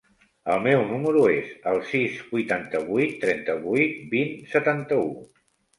El meu número es el sis, vuitanta-vuit, trenta-vuit, vint, setanta-u.